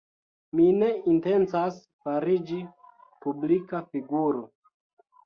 Mi ne intencas fariĝi publika figuro.